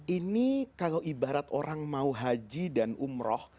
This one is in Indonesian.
ini kalau ibarat orang mau haji dan umroh